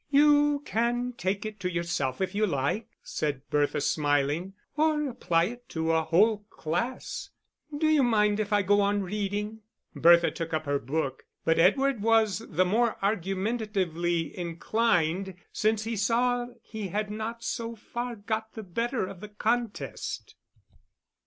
"You can take it to yourself if you like," said Bertha, smiling, "or apply it to a whole class.... Do you mind if I go on reading?" Bertha took up her book; but Edward was the more argumentatively inclined since he saw he had not so far got the better of the contest.